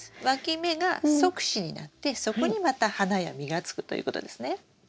わき芽が側枝になってそこにまた花や実がつくということですね。